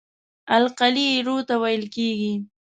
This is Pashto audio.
القلي ایرو ته ویل کیږي.